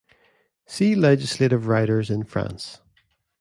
"See legislative riders in France".